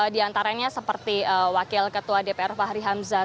diantaranya seperti wakil ketua dpr fahri hamzah